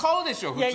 普通。